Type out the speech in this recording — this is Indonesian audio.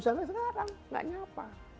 sampai sekarang tidak ada apa